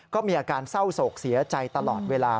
ก็มีอาการเศร้าโศกเสียใจตลอดเวลา